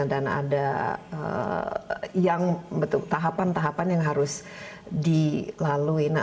dan ada tahapan tahapan yang harus dilalui